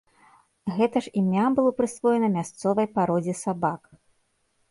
Гэта ж імя было прысвоена мясцовай пародзе сабак.